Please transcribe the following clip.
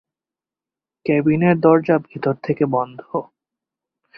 কেবিনের দরজা ভেতর থেকে বন্ধ।